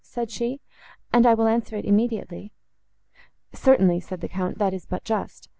said she; "and I will answer it immediately."—"Certainly," said the Count, "that is but just.